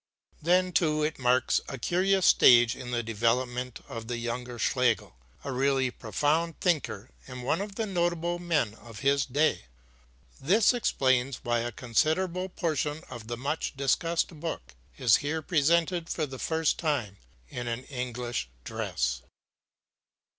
HADER] Then, too, it marks a curious stage in the development of the younger Schlegel, a really profound thinker and one of the notable men of his day. This explains why a considerable portion of the much discussed book is here presented for the first time in an English dress.